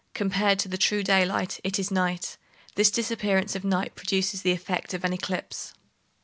Compared to the true daylight, it is night. This disappearance of night produces the effect of an eclipse.